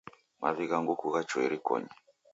Mavi gha nguku ghachua irikonyi